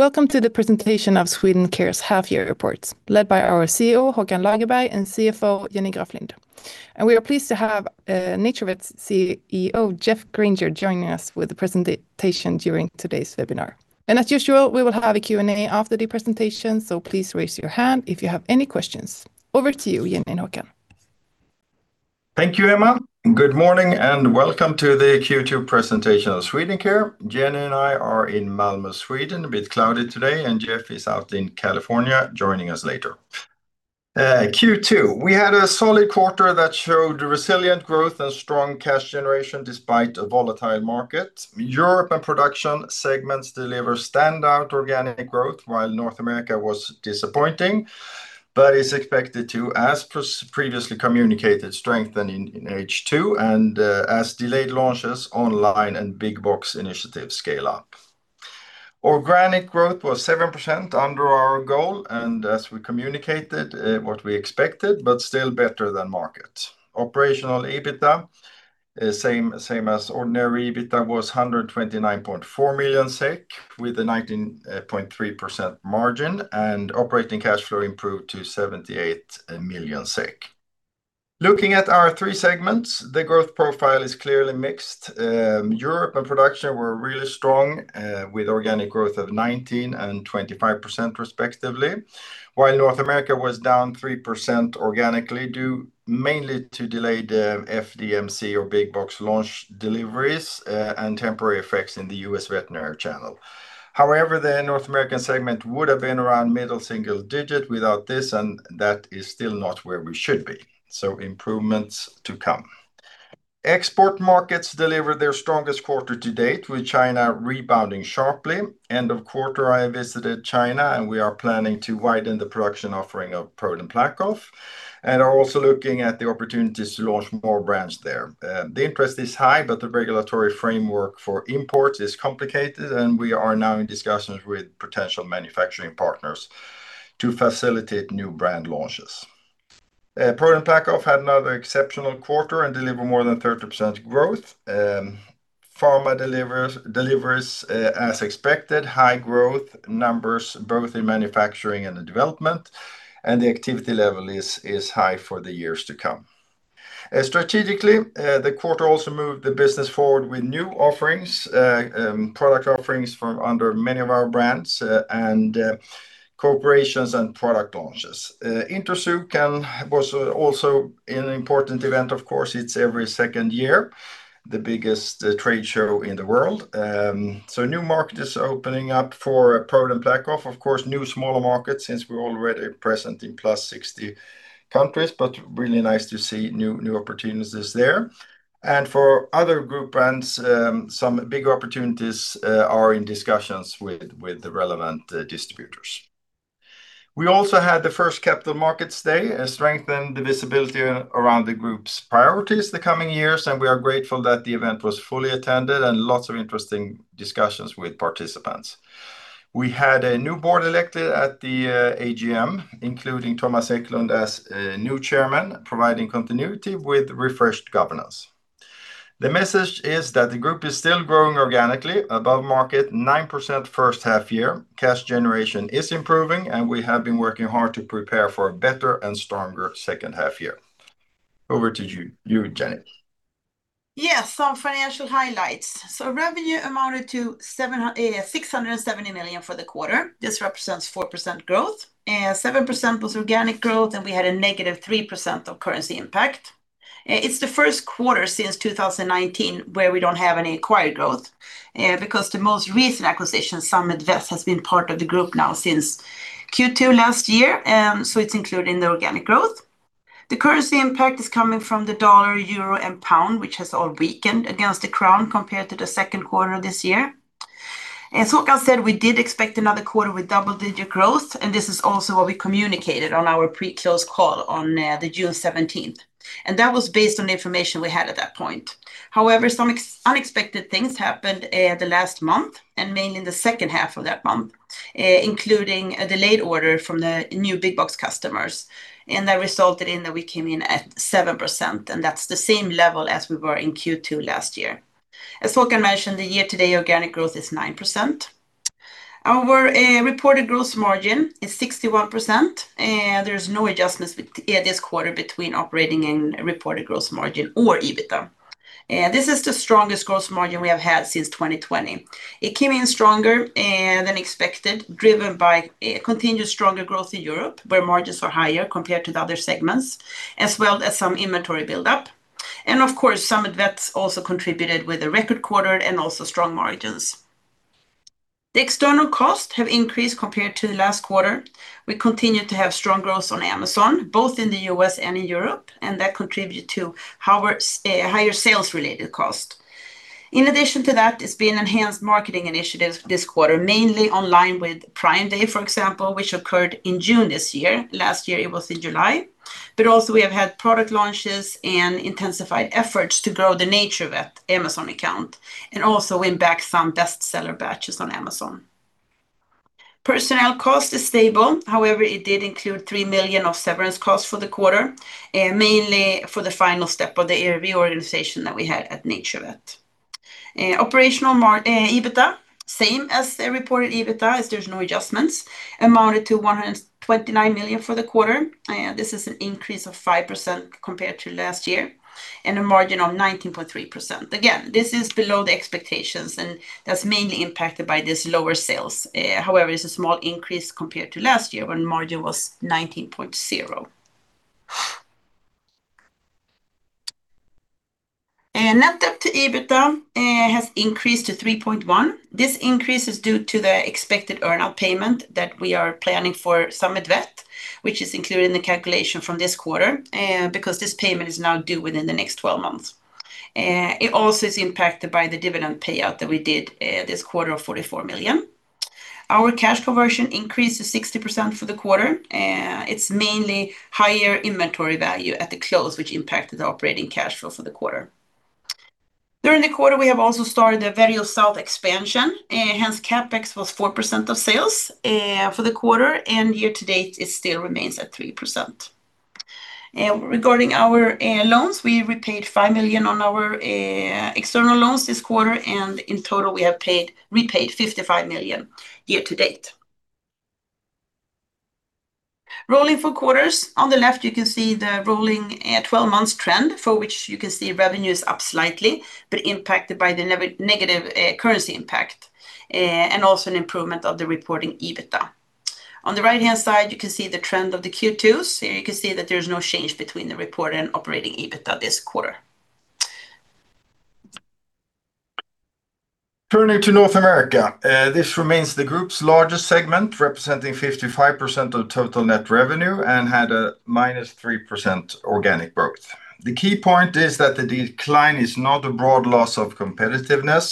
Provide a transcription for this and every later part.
Welcome to the presentation of Swedencare's half-year report led by our CEO, Håkan Lagerberg and CFO, Jenny Graflind. We are pleased to have NaturVet's CEO, Geoff Granger, joining us with the presentation during today's webinar. As usual, we will have a Q&A after the presentation, so please raise your hand if you have any questions. Over to you, Jenny and Håkan. Thank you, Emma. Good morning and welcome to the Q2 presentation of Swedencare. Jenny and I are in Malmö, Sweden. Geoff is out in California joining us later. Q2, we had a solid quarter that showed resilient growth and strong cash generation despite a volatile market. Europe and Production segments delivered standout organic growth while North America was disappointing but is expected to, as previously communicated, strengthen in H2 and as delayed launches, online and big box initiatives scale up. Organic growth was 7% under our goal and as we communicated what we expected, but still better than market. Operational EBITDA, same as ordinary EBITDA, was 129.4 million SEK, with a 19.3% margin and operating cash flow improved to 78 million SEK. Looking at our three segments, the growth profile is clearly mixed. Europe and Production were really strong, with organic growth of 19% and 25% respectively while North American segment was down 3% organically, due mainly to delayed FDMC or big box launch deliveries, and temporary effects in the U.S. veterinary channel. The North American segment would have been around middle single digit without this, and that is still not where we should be. Improvements to come. Export markets delivered their strongest quarter to date, with China rebounding sharply. End of quarter, I visited China and we are planning to widen the production offering of ProDen PlaqueOff and are also looking at the opportunities to launch more brands there. The interest is high, but the regulatory framework for imports is complicated and we are now in discussions with potential manufacturing partners to facilitate new brand launches. ProDen PlaqueOff had another exceptional quarter and delivered more than 30% growth. Pharma delivers as expected, high growth numbers both in manufacturing and in development, and the activity level is high for the years to come. Strategically, the quarter also moved the business forward with new product offerings from under many of our brands and corporations and product launches. Interzoo was also an important event, of course, it's every second year, the biggest trade show in the world. New markets are opening up for ProDen PlaqueOff. Of course, new smaller markets, since we're already present in plus 60 countries, but really nice to see new opportunities there. For other group brands, some bigger opportunities are in discussions with the relevant distributors. We also had the first Capital Markets Day, strengthen the visibility around the group's priorities the coming years, and we are grateful that the event was fully attended and lots of interesting discussions with participants. We had a new board elected at the AGM, including Thomas Eklund as new chairman, providing continuity with refreshed governance. The message is that the group is still growing organically above market 9% first half year. Cash generation is improving, and we have been working hard to prepare for a better and stronger second half year. Over to you, Jenny. Yes. Some financial highlights. Revenue amounted to 670 million for the quarter. This represents 4% growth and 7% was organic growth, and we had a negative 3% of currency impact. It's the first quarter since 2019 where we don't have any acquired growth, because the most recent acquisition, Summit Vet, has been part of the group now since Q2 last year. So it's included in the organic growth. The currency impact is coming from the dollar, EUR, and GBP, which has all weakened against the crown compared to the second quarter of this year. As Håkan said, we did expect another quarter with double-digit growth, and this is also what we communicated on our pre-close call on the June 17th. That was based on the information we had at that point. However, some unexpected things happened the last month, mainly in the second half of that month, including a delayed order from the new big box customers. That resulted in that we came in at 7%, and that's the same level as we were in Q2 last year. As Håkan mentioned, the year-to-date organic growth is 9%. Our reported gross margin is 61%, and there's no adjustments this quarter between operating and reported gross margin or EBITDA. This is the strongest gross margin we have had since 2020. It came in stronger than expected, driven by continued stronger growth in Europe, where margins are higher compared to the other segments, as well as some inventory buildup. Of course, Summit Vet also contributed with a record quarter and also strong margins. The external costs have increased compared to the last quarter. We continue to have strong growth on Amazon, both in the U.S. and in Europe, and that contributed to higher sales-related cost. In addition to that, it's been enhanced marketing initiatives this quarter, mainly online with Prime Day, for example, which occurred in June this year. Last year it was in July. We have had product launches and intensified efforts to grow the NaturVet Amazon account, and also win back some bestseller batches on Amazon. Personnel cost is stable. However, it did include 3 million of severance costs for the quarter, mainly for the final step of the reorganization that we had at NaturVet. Operational EBITA, same as the reported EBITA, as there's no adjustments, amounted to 129 million for the quarter. This is an increase of 5% compared to last year and a margin of 19.3%. Again, this is below the expectations, and that's mainly impacted by these lower sales. However, it's a small increase compared to last year, when margin was 19.0. Net debt to EBITDA has increased to 3.1. This increase is due to the expected earn-out payment that we are planning for Summit Vet, which is included in the calculation from this quarter, because this payment is now due within the next 12 months. It also is impacted by the dividend payout that we did this quarter of 44 million. Our cash conversion increased to 60% for the quarter. It's mainly higher inventory value at the close, which impacted the operating cash flow for the quarter. During the quarter, we have also started the Vara South expansion. Hence, CapEx was 4% of sales for the quarter, and year-to-date, it still remains at 3%. Regarding our loans, we repaid 5 million on our external loans this quarter, and in total, we have repaid 55 million year-to-date. Rolling four quarters. On the left, you can see the rolling 12 months trend, for which you can see revenue is up slightly, but impacted by the negative currency impact, and also an improvement of the reporting EBITDA. On the right-hand side, you can see the trend of the Q2s. Here you can see that there's no change between the reported and operating EBITDA this quarter. Turning to North America, this remains the group's largest segment, representing 55% of total net revenue, and had a -3% organic growth. The key point is that the decline is not a broad loss of competitiveness.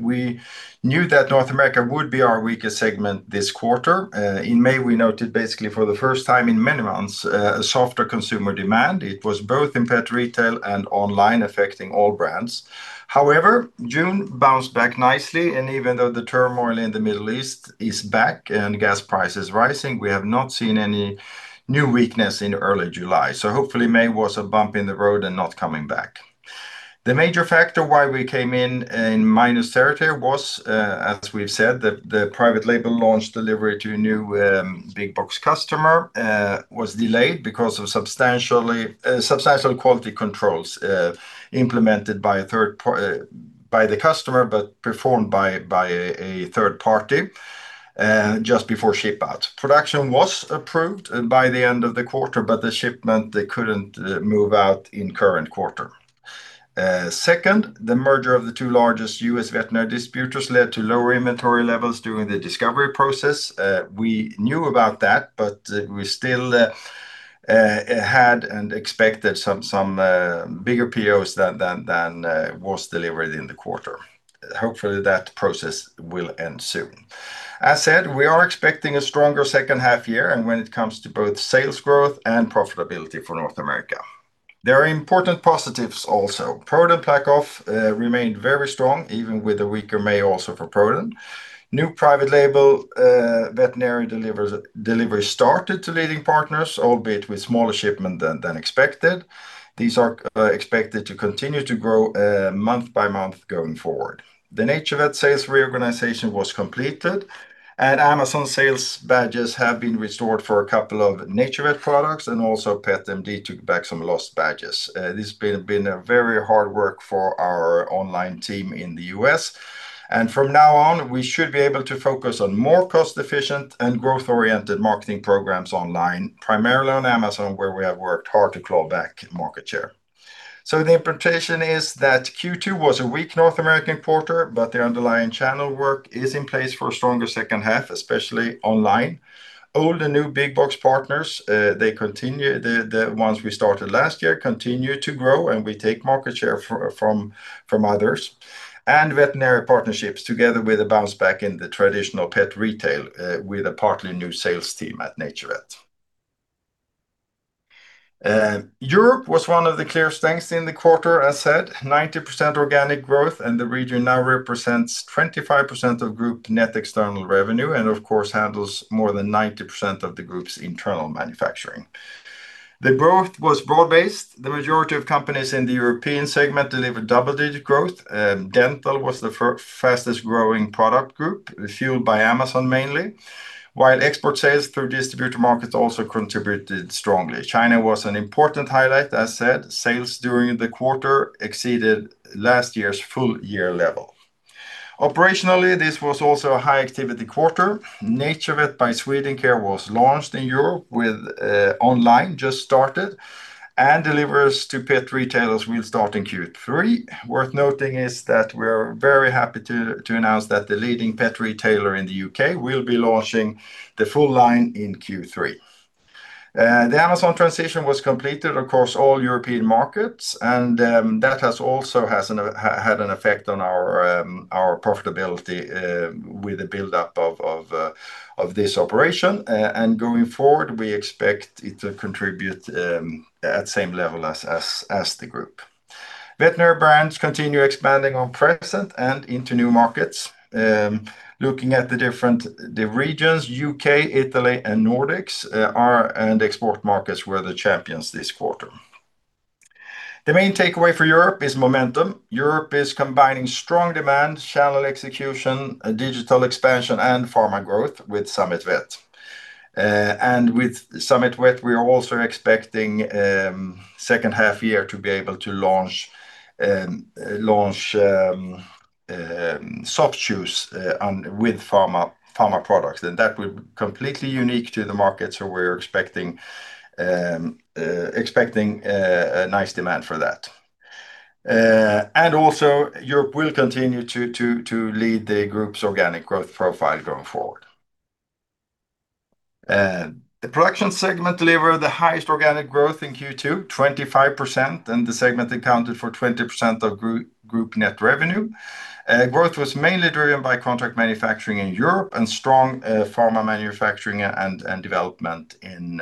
We knew that North America would be our weakest segment this quarter. In May, we noted basically for the first time in many months, a softer consumer demand. It was both in pet retail and online, affecting all brands. However, June bounced back nicely, and even though the turmoil in the Middle East is back and gas price is rising, we have not seen any new weakness in early July. Hopefully May was a bump in the road and not coming back. The major factor why we came in in minus territory was, as we've said, the private label launch delivery to a new big box customer was delayed because of substantial quality controls implemented by the customer, but performed by a third party just before ship-out. Production was approved by the end of the quarter, but the shipment, they couldn't move out in current quarter. Second, the merger of the two largest U.S. veterinary distributors led to lower inventory levels during the discovery process. We knew about that, but we still had and expected some bigger POs than was delivered in the quarter. Hopefully, that process will end soon. As said, we are expecting a stronger second half year, and when it comes to both sales growth and profitability for North America. There are important positives also. ProDen PlaqueOff remained very strong, even with a weaker May also for ProDen. New private label veterinary deliveries started to leading partners, albeit with smaller shipment than expected. These are expected to continue to grow month by month going forward. The NaturVet sales reorganization was completed, Amazon sales badges have been restored for a couple of NaturVet products, and also Pet MD took back some lost badges. This has been a very hard work for our online team in the U.S. From now on, we should be able to focus on more cost-efficient and growth-oriented marketing programs online, primarily on Amazon, where we have worked hard to claw back market share. The interpretation is that Q2 was a weak North American quarter, but the underlying channel work is in place for a stronger second half, especially online. Old and new big box partners, the ones we started last year, continue to grow, and we take market share from others. Veterinary partnerships, together with a bounce-back in the traditional pet retail, with a partly new sales team at NaturVet. Europe was one of the clear strengths in the quarter, as said, 90% organic growth, and the region now represents 25% of group net external revenue and, of course, handles more than 90% of the group's internal manufacturing. The growth was broad-based. The majority of companies in the European segment delivered double-digit growth. Dental was the fastest-growing product group, fueled by Amazon mainly, while export sales through distributor markets also contributed strongly. China was an important highlight, as said. Sales during the quarter exceeded last year's full year level. Operationally, this was also a high-activity quarter. NaturVet by Swedencare was launched in Europe, online just started, and deliveries to pet retailers will start in Q3. Worth noting is that we're very happy to announce that the leading pet retailer in the U.K. will be launching the full line in Q3. The Amazon transition was completed across all European markets, and that has also had an effect on our profitability, with the buildup of this operation. Going forward, we expect it to contribute at same level as the group. Veterinary brands continue expanding on present and into new markets. Looking at the regions, U.K., Italy, and Nordics and export markets were the champions this quarter. The main takeaway for Europe is momentum. Europe is combining strong demand, channel execution, digital expansion and pharma growth with Summit Vet. With Summit Vet, we are also expecting second half year to be able to launch soft chews with pharma products, and that will be completely unique to the market. We're expecting a nice demand for that. Also, Europe will continue to lead the group's organic growth profile going forward. The production segment delivered the highest organic growth in Q2, 25%, and the segment accounted for 20% of group net revenue. Growth was mainly driven by contract manufacturing in Europe and strong pharma manufacturing and development in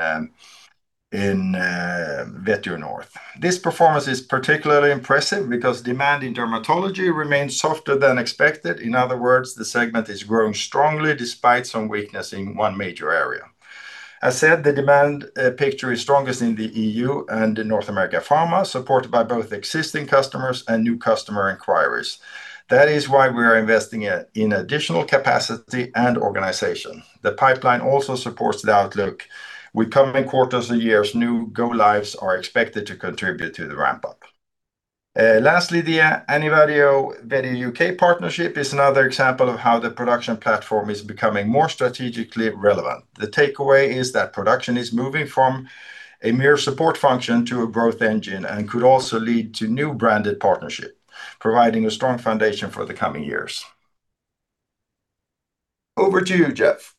Vetio North. This performance is particularly impressive because demand in dermatology remains softer than expected. In other words, the segment is growing strongly despite some weakness in one major area. As said, the demand picture is strongest in the EU and in North America pharma, supported by both existing customers and new customer inquiries. That is why we are investing in additional capacity and organization. The pipeline also supports the outlook with coming quarters and years. New go-lives are expected to contribute to the ramp-up. Lastly, the AniVatio-Vetio UK partnership is another example of how the production platform is becoming more strategically relevant. The takeaway is that production is moving from a mere support function to a growth engine and could also lead to new branded partnership, providing a strong foundation for the coming years. Over to you, Geoff. Thank you.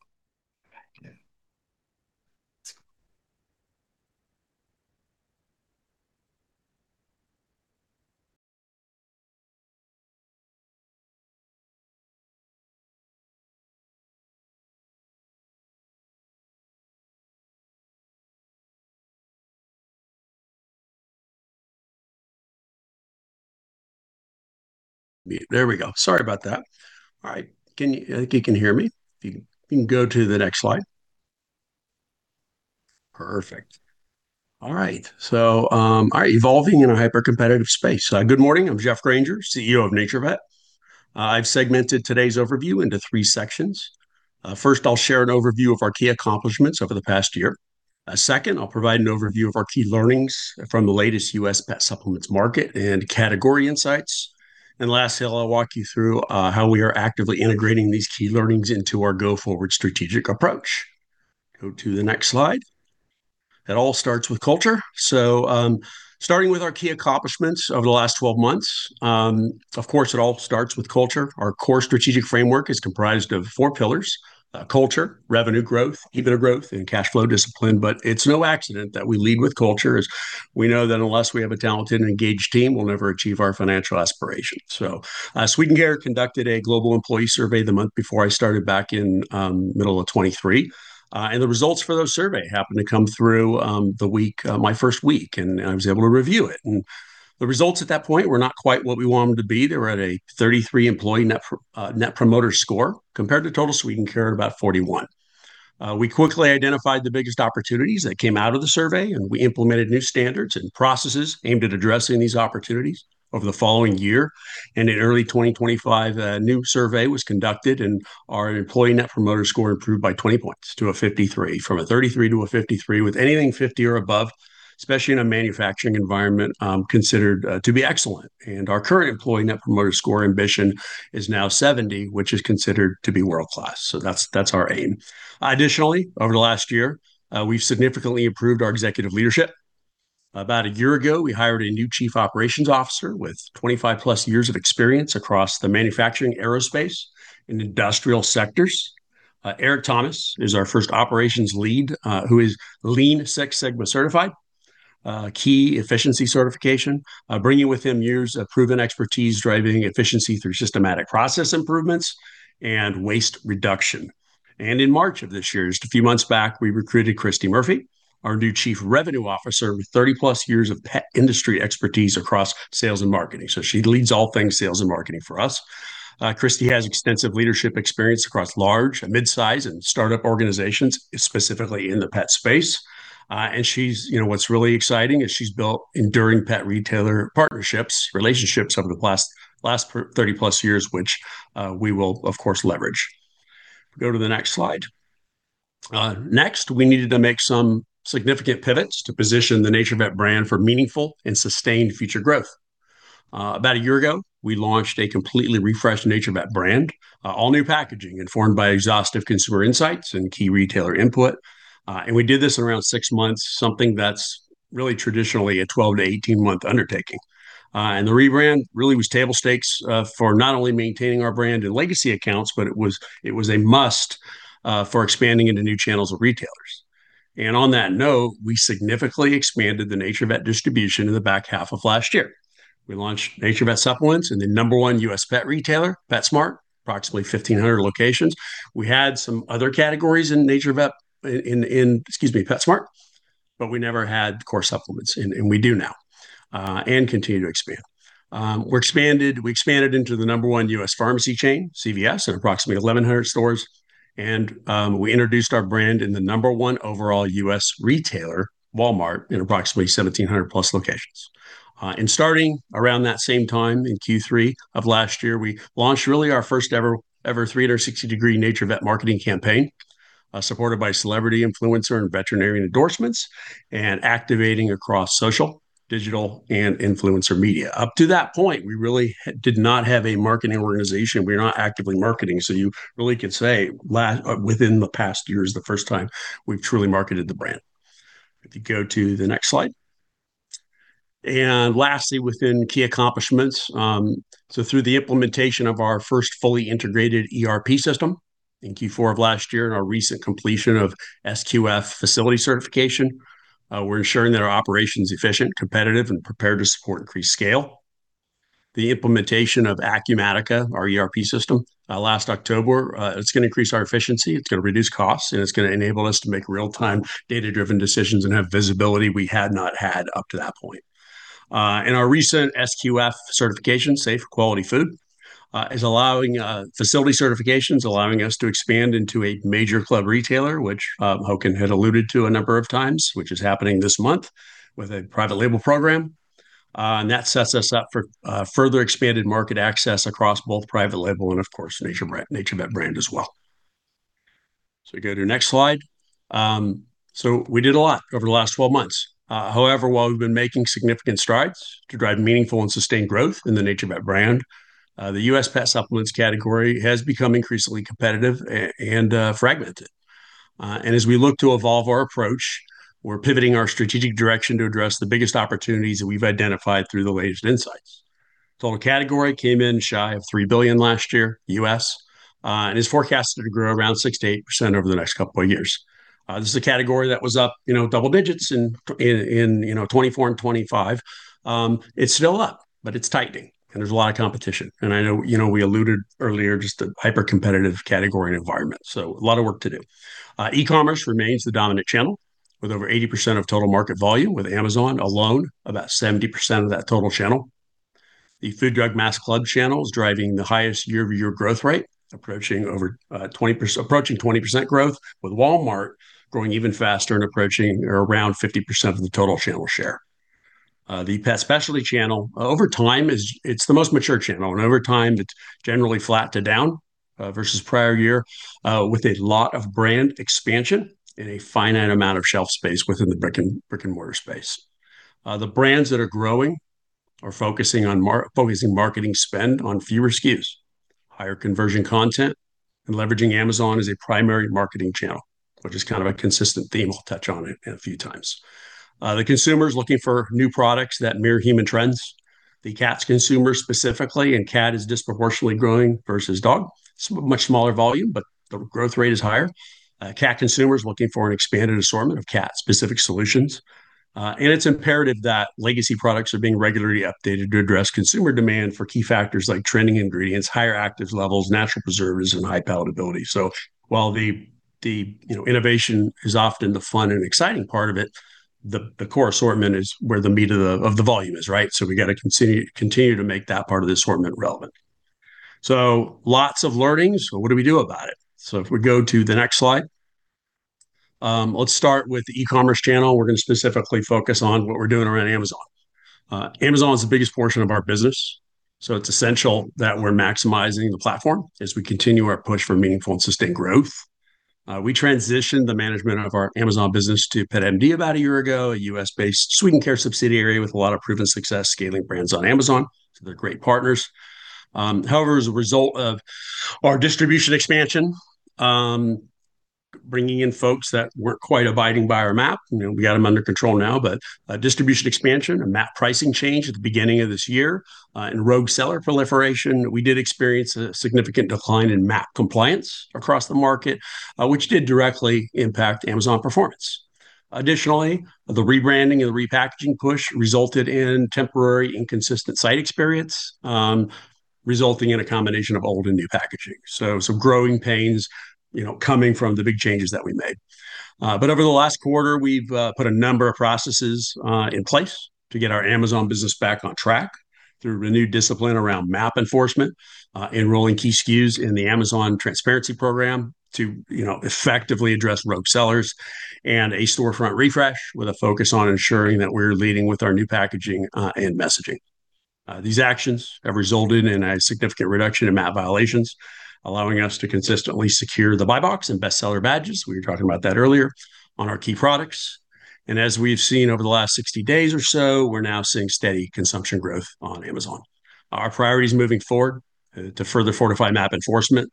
There we go. Sorry about that. All right. I think you can hear me. If you can go to the next slide. Perfect. All right. Evolving in a hyper-competitive space. Good morning. I'm Geoff Granger, CEO of NaturVet. I've segmented today's overview into three sections. First, I'll share an overview of our key accomplishments over the past year. Second, I'll provide an overview of our key learnings from the latest U.S. pet supplements market and category insights. Lastly, I'll walk you through how we are actively integrating these key learnings into our go-forward strategic approach. Go to the next slide. It all starts with culture. Starting with our key accomplishments over the last 12 months. Of course, it all starts with culture. Our core strategic framework is comprised of four pillars: culture, revenue growth, EBITDA growth, and cash flow discipline. It's no accident that we lead with culture, as we know that unless we have a talented and engaged team, we'll never achieve our financial aspirations. Swedencare conducted a global employee survey the month before I started back in middle of 2023. The results for those survey happened to come through my first week, and I was able to review it, and the results at that point were not quite what we want them to be. They were at a 33 employee net promoter score compared to total Swedencare at about 41. We quickly identified the biggest opportunities that came out of the survey, and we implemented new standards and processes aimed at addressing these opportunities over the following year. In early 2025, a new survey was conducted, and our employee net promoter score improved by 20 points to a 53, from a 33 to a 53. With anything 50 or above, especially in a manufacturing environment, considered to be excellent. Our current employee net promoter score ambition is now 70, which is considered to be world-class. That's our aim. Additionally, over the last year, we've significantly improved our executive leadership. About a year ago, we hired a new Chief Operations Officer with 25+ years of experience across the manufacturing, aerospace and industrial sectors. Erik Thomas is our first operations lead, who is Lean Six Sigma certified, a key efficiency certification, bringing with him years of proven expertise, driving efficiency through systematic process improvements and waste reduction. In March of this year, just a few months back, we recruited Kristy Murphy, our new Chief Revenue Officer, with 30-plus years of pet industry expertise across sales and marketing. She leads all things sales and marketing for us. Kristy has extensive leadership experience across large and mid-size and startup organizations, specifically in the pet space. What's really exciting is she's built enduring pet retailer partnerships, relationships over the last 30+ years, which we will, of course, leverage. Go to the next slide. We needed to make some significant pivots to position the NaturVet brand for meaningful and sustained future growth. About a year ago, we launched a completely refreshed NaturVet brand, all new packaging informed by exhaustive consumer insights and key retailer input. We did this in around six months, something that's really traditionally a 12-to-18-month undertaking. The rebrand really was table stakes for not only maintaining our brand and legacy accounts, but it was a must for expanding into new channels of retailers. On that note, we significantly expanded the NaturVet distribution in the back half of last year. We launched NaturVet supplements in the number one U.S. pet retailer, PetSmart, approximately 1,500 locations. We had some other categories in NaturVet in Excuse me, PetSmart, but we never had core supplements, and we do now and continue to expand. We expanded into the number one U.S. pharmacy chain, CVS, at approximately 1,100 stores, and we introduced our brand in the number one overall U.S. retailer, Walmart, in approximately 1,700+ locations. Starting around that same time, in Q3 of last year, we launched really our first ever 360-degree NaturVet marketing campaign, supported by celebrity influencer and veterinarian endorsements, and activating across social, digital, and influencer media. Up to that point, we really did not have a marketing organization. We were not actively marketing, you really could say within the past year is the first time we've truly marketed the brand. If you go to the next slide. Lastly, within key accomplishments, through the implementation of our first fully integrated ERP system in Q4 of last year and our recent completion of SQF facility certification, we're ensuring that our operation's efficient, competitive, and prepared to support increased scale. The implementation of Acumatica, our ERP system, last October, it's going to increase our efficiency, it's going to reduce costs, and it's going to enable us to make real-time data-driven decisions and have visibility we had not had up to that point. Our recent SQF certification, Safe Quality Food, is allowing facility certifications, allowing us to expand into a major club retailer, which Håkan had alluded to a number of times, which is happening this month with a private label program. That sets us up for further expanded market access across both private label and, of course, NaturVet brand as well. Go to next slide. We did a lot over the last 12 months. While we've been making significant strides to drive meaningful and sustained growth in the NaturVet brand, the U.S. pet supplements category has become increasingly competitive and fragmented. As we look to evolve our approach, we're pivoting our strategic direction to address the biggest opportunities that we've identified through the latest insights. Total category came in shy of $3 billion last year, U.S., and is forecasted to grow around 68% over the next couple of years. This is a category that was up double digits in 2024 and 2025. It's still up, but it's tightening, and there's a lot of competition. I know we alluded earlier, just a hyper-competitive category and environment. A lot of work to do. E-commerce remains the dominant channel, with over 80% of total market volume, with Amazon alone about 70% of that total channel. The food/drug mass club channel is driving the highest year-over-year growth rate, approaching 20% growth, with Walmart growing even faster and approaching around 50% of the total channel share. The pet specialty channel over time is the most mature channel, and over time it's generally flat to down versus prior year, with a lot of brand expansion and a finite amount of shelf space within the brick-and-mortar space. The brands that are growing are focusing marketing spend on fewer SKUs, higher conversion content, and leveraging Amazon as a primary marketing channel, which is kind of a consistent theme I'll touch on a few times. The consumer's looking for new products that mirror human trends. The cat consumer specifically, and cat is disproportionately growing versus dog. It's much smaller volume, but the growth rate is higher. Cat consumer is looking for an expanded assortment of cat-specific solutions. It's imperative that legacy products are being regularly updated to address consumer demand for key factors like trending ingredients, higher active levels, natural preservatives, and high palatability. While the innovation is often the fun and exciting part of it, the core assortment is where the meat of the volume is, right? We got to continue to make that part of the assortment relevant. Lots of learnings. What do we do about it? If we go to the next slide. Let's start with the e-commerce channel. We're going to specifically focus on what we're doing around Amazon. Amazon is the biggest portion of our business, so it's essential that we're maximizing the platform as we continue our push for meaningful and sustained growth. We transitioned the management of our Amazon business to PetMD about a year ago, a U.S.-based Swedencare subsidiary with a lot of proven success scaling brands on Amazon. They're great partners. As a result of our distribution expansion, bringing in folks that weren't quite abiding by our MAP, we got them under control now, but distribution expansion, a MAP pricing change at the beginning of this year, and rogue seller proliferation, we did experience a significant decline in MAP compliance across the market, which did directly impact Amazon performance. Additionally, the rebranding and the repackaging push resulted in temporary inconsistent site experience, resulting in a combination of old and new packaging. Some growing pains coming from the big changes that we made. Over the last quarter, we've put a number of processes in place to get our Amazon business back on track through renewed discipline around MAP enforcement, enrolling key SKUs in the Amazon Transparency Program to effectively address rogue sellers, and a storefront refresh with a focus on ensuring that we're leading with our new packaging and messaging. These actions have resulted in a significant reduction in MAP violations, allowing us to consistently secure the Buy Box and Best Seller badges, we were talking about that earlier, on our key products. As we've seen over the last 60 days or so, we're now seeing steady consumption growth on Amazon. Our priorities moving forward to further fortify MAP enforcement,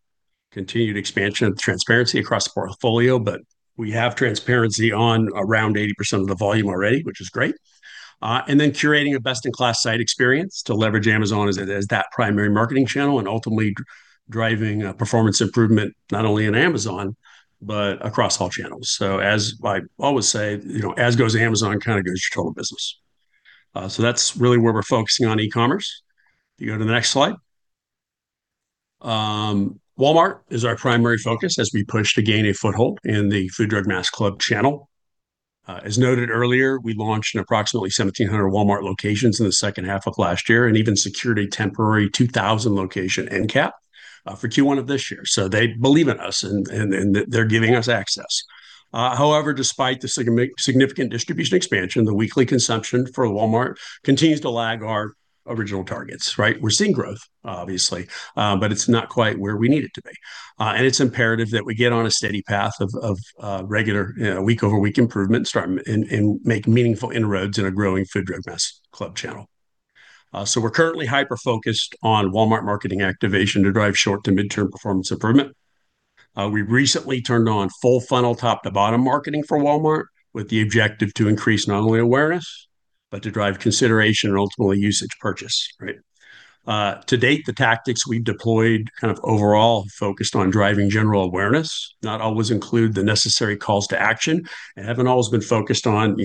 continued expansion of transparency across the portfolio, we have transparency on around 80% of the volume already, which is great. Curating a best-in-class site experience to leverage Amazon as that primary marketing channel and ultimately driving performance improvement not only in Amazon, but across all channels. As I always say, as goes Amazon, kind of goes your total business. That's really where we're focusing on e-commerce. You go to the next slide. Walmart is our primary focus as we push to gain a foothold in the food, drug, mass club channel. As noted earlier, we launched in approximately 1,700 Walmart locations in the second half of last year and even secured a temporary 2,000 location end cap for Q1 of this year. They believe in us, and they're giving us access. However, despite the significant distribution expansion, the weekly consumption for Walmart continues to lag our original targets, right? We're seeing growth, obviously, but it's not quite where we need it to be. It's imperative that we get on a steady path of regular week-over-week improvement and make meaningful inroads in a growing food, drug, mass club channel. We're currently hyper-focused on Walmart marketing activation to drive short- to mid-term performance improvement. We recently turned on full funnel, top-to-bottom marketing for Walmart with the objective to increase not only awareness, but to drive consideration and ultimately usage purchase, right? To date, the tactics we've deployed kind of overall have focused on driving general awareness, not always include the necessary calls to action, and haven't always been focused on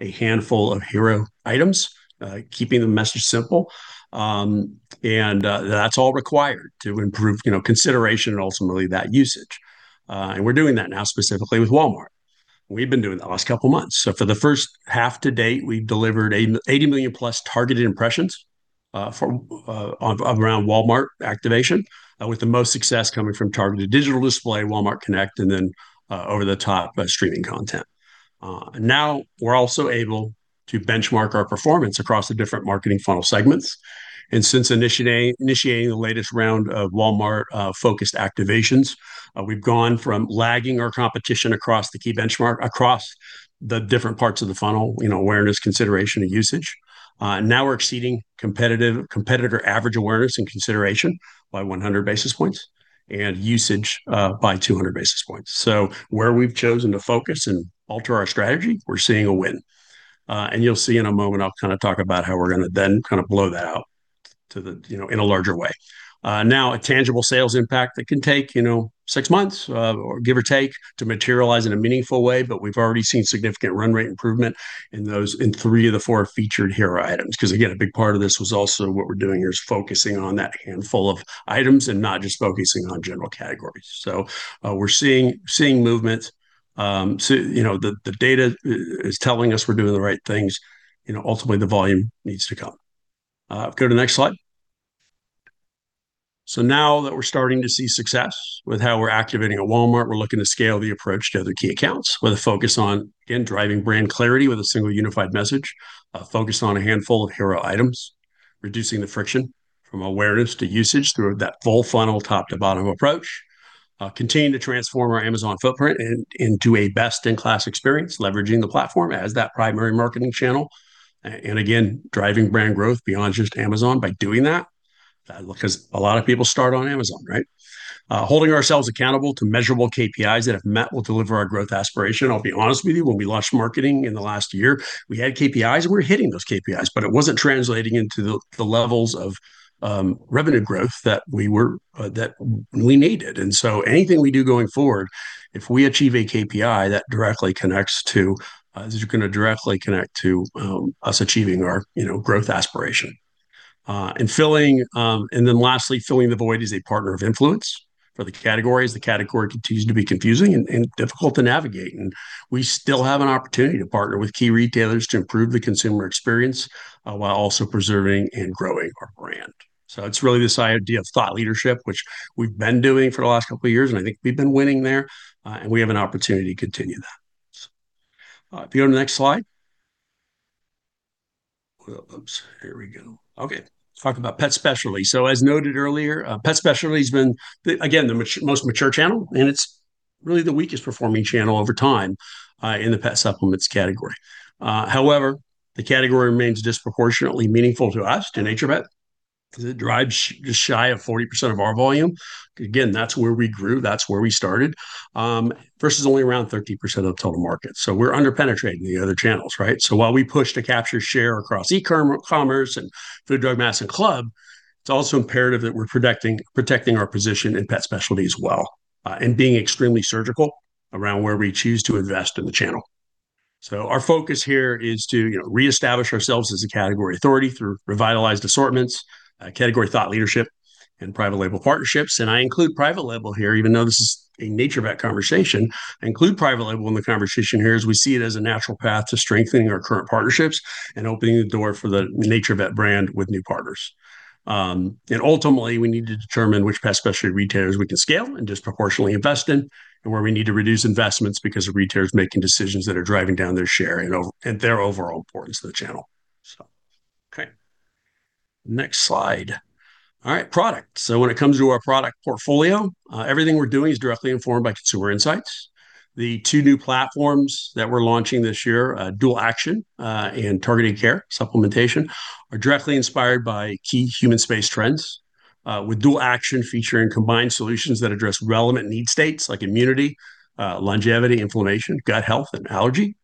a handful of hero items, keeping the message simple. That's all required to improve consideration and ultimately that usage. We're doing that now specifically with Walmart. We've been doing that the last couple of months. For the first half to date, we've delivered 80 million+ targeted impressions around Walmart activation, with the most success coming from targeted digital display, Walmart Connect, and then over-the-top streaming content. We're also able to benchmark our performance across the different marketing funnel segments. Since initiating the latest round of Walmart-focused activations, we've gone from lagging our competition across the key benchmark, across the different parts of the funnel, awareness, consideration, and usage. We're exceeding competitor average awareness and consideration by 100 basis points and usage by 200 basis points. Where we've chosen to focus and alter our strategy, we're seeing a win. You'll see in a moment, I'll kind of talk about how we're going to then kind of blow that out in a larger way. A tangible sales impact that can take six months, give or take, to materialize in a meaningful way. We've already seen significant run rate improvement in three of the four featured hero items, because again, a big part of this was also what we're doing here is focusing on that handful of items and not just focusing on general categories. We're seeing movement. The data is telling us we're doing the right things. Ultimately, the volume needs to come. Go to the next slide. Now that we're starting to see success with how we're activating at Walmart, we're looking to scale the approach to other key accounts with a focus on, again, driving brand clarity with a single unified message, a focus on a handful of hero items, reducing the friction from awareness to usage through that full funnel, top-to-bottom approach. Continue to transform our Amazon footprint into a best-in-class experience, leveraging the platform as that primary marketing channel, again, driving brand growth beyond just Amazon by doing that, because a lot of people start on Amazon, right? Holding ourselves accountable to measurable KPIs that, if met, will deliver our growth aspiration. I'll be honest with you, when we launched marketing in the last year, we had KPIs, and we were hitting those KPIs, but it wasn't translating into the levels of revenue growth that we needed. Anything we do going forward, if we achieve a KPI, that is going to directly connect to us achieving our growth aspiration. Lastly, filling the void as a partner of influence for the categories. The category continues to be confusing and difficult to navigate, we still have an opportunity to partner with key retailers to improve the consumer experience while also preserving and growing our brand. It's really this idea of thought leadership, which we've been doing for the last couple of years, I think we've been winning there, and we have an opportunity to continue that. If you go to the next slide. Oops, here we go. Okay, let's talk about pet specialty. As noted earlier, pet specialty has been, again, the most mature channel, it's really the weakest performing channel over time in the pet supplements category. However, the category remains disproportionately meaningful to us, to NaturVet, because it drives just shy of 40% of our volume. Again, that's where we grew, that's where we started, versus only around 13% of the total market. We're under-penetrating the other channels, right? While we push to capture share across e-commerce and food, drug, mass, and club, it's also imperative that we're protecting our position in pet specialty as well and being extremely surgical around where we choose to invest in the channel. Our focus here is to reestablish ourselves as a category authority through revitalized assortments, category thought leadership, and private label partnerships. I include private label here, even though this is a NaturVet conversation. I include private label in the conversation here as we see it as a natural path to strengthening our current partnerships and opening the door for the NaturVet brand with new partners. Ultimately, we need to determine which pet specialty retailers we can scale and disproportionately invest in, and where we need to reduce investments because a retailer's making decisions that are driving down their share and their overall importance to the channel. Okay. Next slide. All right, product. When it comes to our product portfolio, everything we're doing is directly informed by consumer insights. The two new platforms that we're launching this year, Dual Action and Targeted Care supplementation, are directly inspired by key human space trends, with Dual Action featuring combined solutions that address relevant need states like immunity, longevity, inflammation, gut health, and allergy.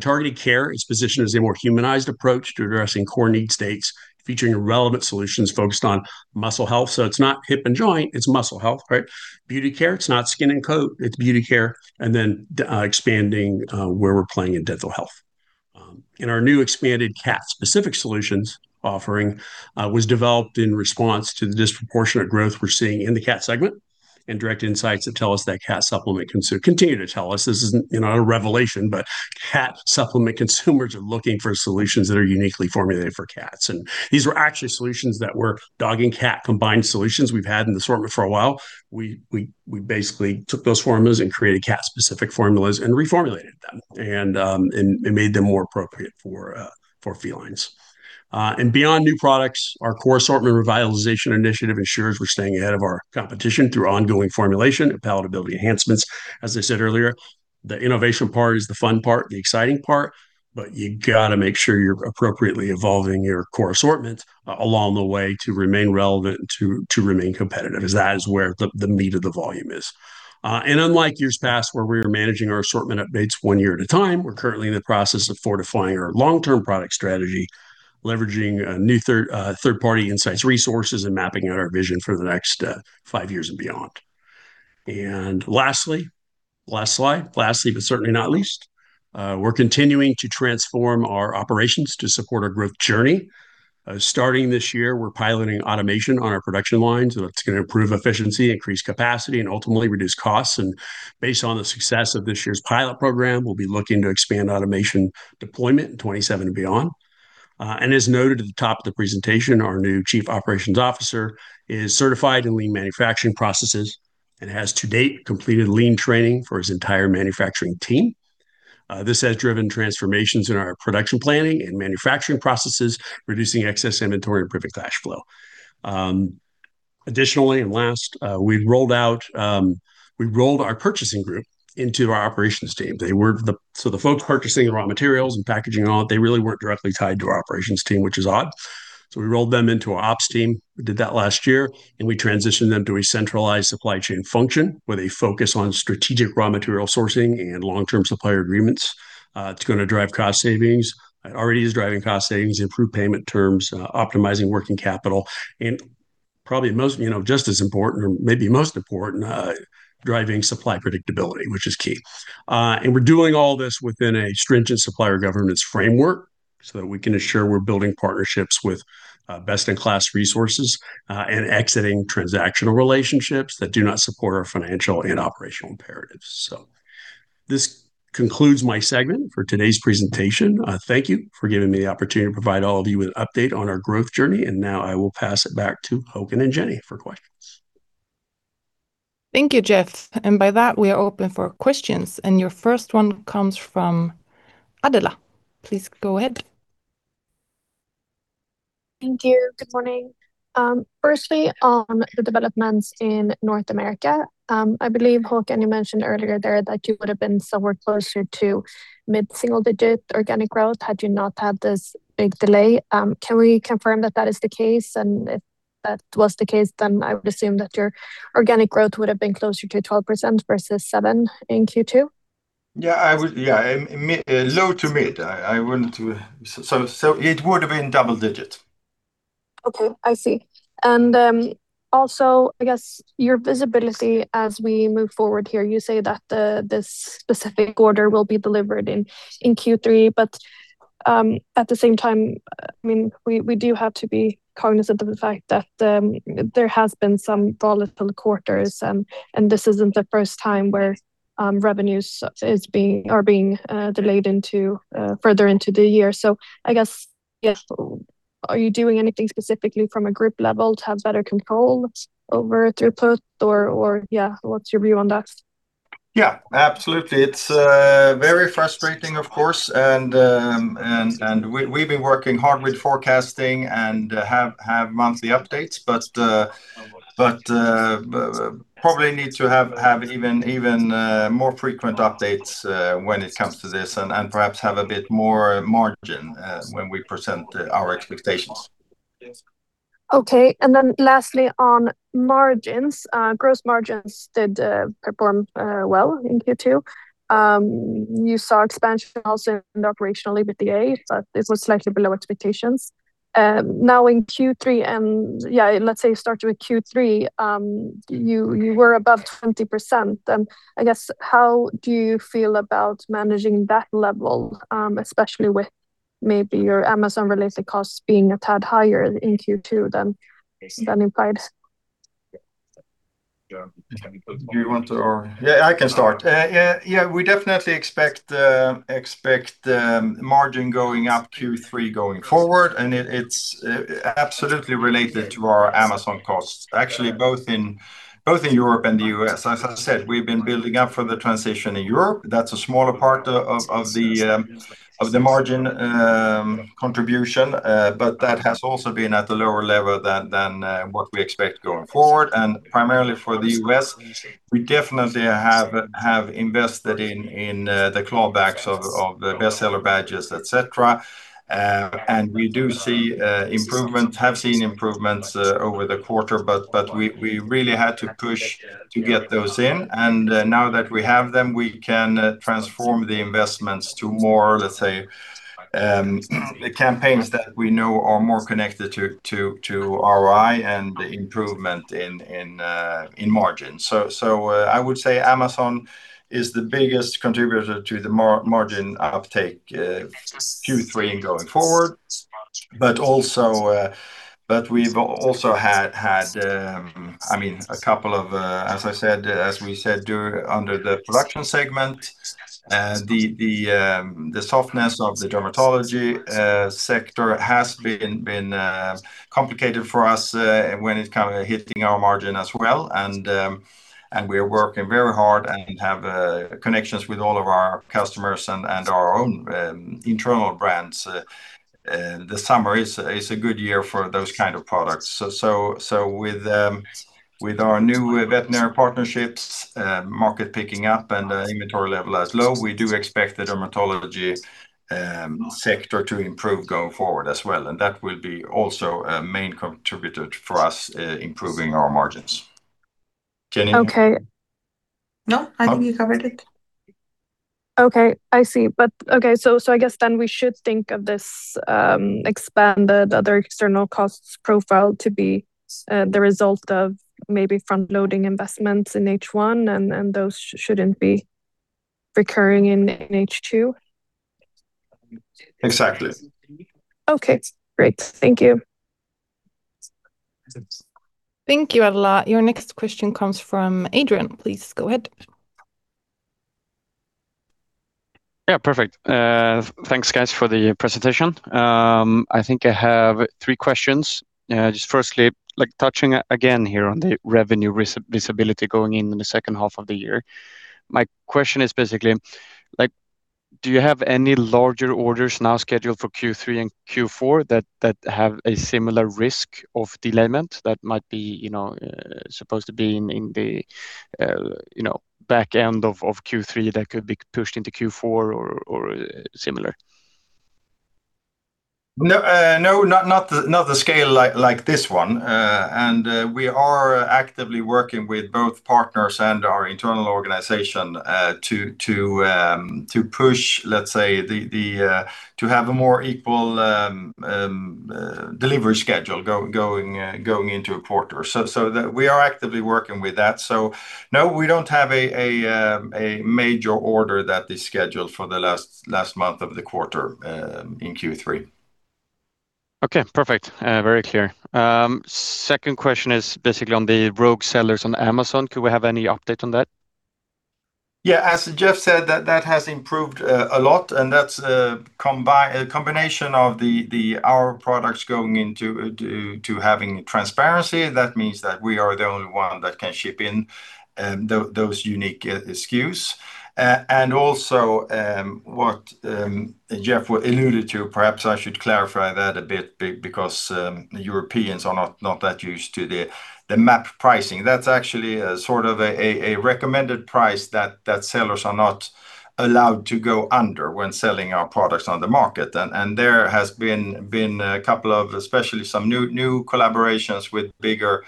Targeted Care is positioned as a more humanized approach to addressing core need states, featuring relevant solutions focused on muscle health. So it's not hip and joint, it's muscle health, right? Beauty care, it's not skin and coat, it's beauty care. Expanding where we're playing in dental health. Our new expanded cat-specific solutions offering was developed in response to the disproportionate growth we're seeing in the cat segment, and direct insights that continue to tell us that cat supplement consumers are looking for solutions that are uniquely formulated for cats. These were actually solutions that were dog and cat combined solutions we've had in the assortment for a while. We basically took those formulas and created cat-specific formulas and reformulated them, and made them more appropriate for felines. Beyond new products, our core assortment revitalization initiative ensures we're staying ahead of our competition through ongoing formulation and palatability enhancements. As I said earlier, the innovation part is the fun part, the exciting part, you got to make sure you're appropriately evolving your core assortment along the way to remain relevant and to remain competitive, as that is where the meat of the volume is. Unlike years past where we were managing our assortment updates one year at a time, we're currently in the process of fortifying our long-term product strategy, leveraging new third-party insights resources, and mapping out our vision for the next five years and beyond. Lastly, last slide. Lastly, certainly not least, we're continuing to transform our operations to support our growth journey. Starting this year, we're piloting automation on our production lines, that's going to improve efficiency, increase capacity, and ultimately reduce costs. Based on the success of this year's pilot program, we'll be looking to expand automation deployment in 2027 and beyond. As noted at the top of the presentation, our new Chief Operations Officer is certified in lean manufacturing processes and has, to date, completed lean training for his entire manufacturing team. This has driven transformations in our production planning and manufacturing processes, reducing excess inventory and improving cash flow. Additionally, last, we rolled our purchasing group into our operations team. The folks purchasing the raw materials and packaging and all, they really weren't directly tied to our operations team, which is odd. We rolled them into our ops team. We did that last year, we transitioned them to a centralized supply chain function with a focus on strategic raw material sourcing and long-term supplier agreements. It's going to drive cost savings. It already is driving cost savings, improved payment terms, optimizing working capital, and probably just as important or maybe most important, driving supply predictability, which is key. We're doing all this within a stringent supplier governance framework so that we can ensure we're building partnerships with best-in-class resources and exiting transactional relationships that do not support our financial and operational imperatives. This concludes my segment for today's presentation. Thank you for giving me the opportunity to provide all of you with an update on our growth journey, and now I will pass it back to Håkan and Jenny for questions. Thank you, Geoff. By that, we are open for questions. Your first one comes from Adela. Please go ahead. Thank you. Good morning. Firstly, on the developments in North America, I believe, Håkan, you mentioned earlier there that you would've been somewhere closer to mid-single-digit organic growth had you not had this big delay. Can we confirm that that is the case? If that was the case, I would assume that your organic growth would've been closer to 12% versus 7% in Q2. Yeah, low to mid. It would've been double digit. I see. I guess your visibility as we move forward here, you say that this specific order will be delivered in Q3, but at the same time, we do have to be cognizant of the fact that there has been some volatile quarters, and this isn't the first time where revenues are being delayed further into the year. I guess, are you doing anything specifically from a group level to have better control over throughput, or what's your view on that? Yeah, absolutely. It's very frustrating, of course. We've been working hard with forecasting and have monthly updates. Probably need to have even more frequent updates when it comes to this, and perhaps have a bit more margin when we present our expectations. Okay. Lastly, on margins. Gross margins did perform well in Q2. You saw expansion also in operational EBITDA. This was slightly below expectations. In Q3, and let's say start with Q3, you were above 20%. I guess, how do you feel about managing that level, especially with maybe your Amazon-related costs being a tad higher in Q2 than implied? Do you want to, or? Yeah, I can start. We definitely expect margin going up Q3 going forward. It's absolutely related to our Amazon costs, actually, both in Europe and the U.S. As I said, we've been building up for the transition in Europe. That's a smaller part of the margin contribution. That has also been at a lower level than what we expect going forward. Primarily for the U.S., we definitely have invested in the clawbacks of the bestseller badges, et cetera. We do see improvements, have seen improvements over the quarter. We really had to push to get those in. Now that we have them, we can transform the investments to more, let's say, the campaigns that we know are more connected to ROI and improvement in margin. I would say Amazon is the biggest contributor to the margin uptake Q3 and going forward. We've also had a couple of, as we said, under the production segment, the softness of the dermatology sector has been complicated for us when it's hitting our margin as well. We are working very hard and have connections with all of our customers and our own internal brands. The summer is a good year for those kind of products. With our new veterinary partnerships, market picking up, and inventory level as low, we do expect the dermatology sector to improve going forward as well. That will be also a main contributor for us improving our margins. Jenny? Okay. No, I think you covered it. Okay. I see. I guess then we should think of this expanded other external costs profile to be the result of maybe front-loading investments in H1, and those shouldn't be recurring in H2? Exactly. Okay, great. Thank you. Thank you, Adela. Your next question comes from Adrian. Please go ahead. Yeah, perfect. Thanks, guys, for the presentation. I think I have three questions. Firstly, touching again here on the revenue visibility going in the second half of the year. My question is basically, do you have any larger orders now scheduled for Q3 and Q4 that have a similar risk of delayment that might be supposed to be in the back end of Q3 that could be pushed into Q4 or similar? No, not the scale like this one. We are actively working with both partners and our internal organization to push, let's say, to have a more equal delivery schedule going into a quarter. We are actively working with that. No, we don't have a major order that is scheduled for the last month of the quarter in Q3. Okay, perfect. Very clear. Second question is basically on the rogue sellers on Amazon. Could we have any update on that? Yeah. As Geoff said, that has improved a lot, that's a combination of our products going into having transparency. That means that we are the only one that can ship in those unique SKUs. Also, what Geoff alluded to, perhaps I should clarify that a bit because Europeans are not that used to the MAP pricing. That's actually sort of a recommended price that sellers are not allowed to go under when selling our products on the market. There has been a couple of, especially some new collaborations with bigger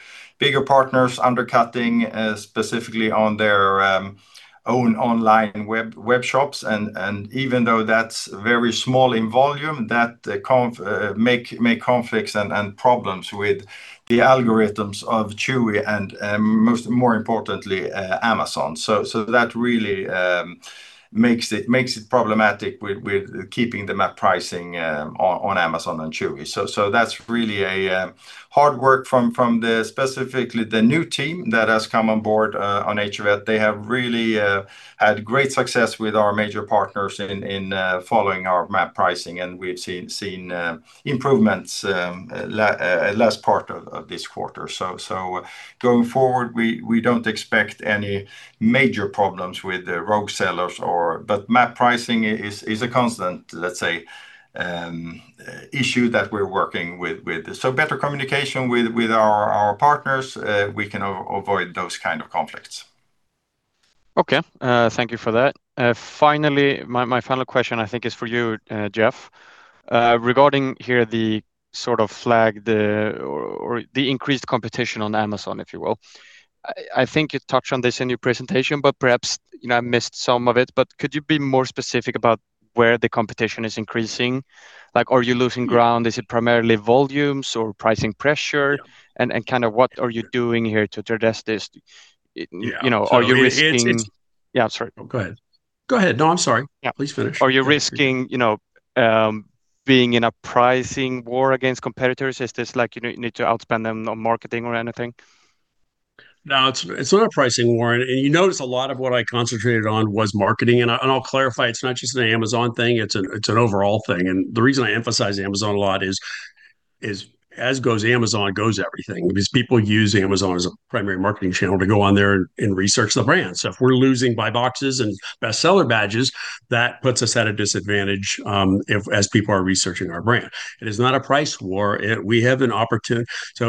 partners undercutting, specifically on their own online web shops. Even though that's very small in volume, that make conflicts and problems with the algorithms of Chewy and more importantly, Amazon. That really makes it problematic with keeping the MAP pricing on Amazon and Chewy. That's really a hard work from specifically the new team that has come on board on Vetio. They have really had great success with our major partners in following our MAP pricing, and we've seen improvements last part of this quarter. Going forward, we don't expect any major problems with the rogue sellers, but MAP pricing is a constant, let's say, issue that we're working with. Better communication with our partners, we can avoid those kind of conflicts. Okay. Thank you for that. Finally, my final question, I think, is for you, Geoff. Regarding here the sort of flag or the increased competition on Amazon, if you will. I think you touched on this in your presentation, but perhaps I missed some of it. Could you be more specific about where the competition is increasing? Are you losing ground? Is it primarily volumes or pricing pressure? What are you doing here to address this? Yeah. Yeah, sorry. Go ahead. No, I'm sorry. Please finish. Are you risking being in a pricing war against competitors? Is this like you need to outspend them on marketing or anything? No, it's not a pricing war. You notice a lot of what I concentrated on was marketing. I'll clarify, it's not just an Amazon thing, it's an overall thing. The reason I emphasize Amazon a lot is, as goes Amazon, goes everything, because people use Amazon as a primary marketing channel to go on there and research the brand. If we're losing Buy Boxes and best seller badges, that puts us at a disadvantage as people are researching our brand. It is not a price war. We have an opportunity.